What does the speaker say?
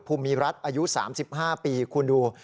ภูมิรัฐอายุ๓๕ปีคุณดู